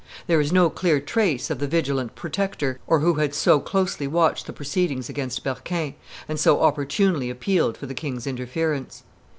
There is no clear trace of the vigilant protect, or who had so closely watched the proceedings against Berquin, and so opportunely appealed for the king's interference.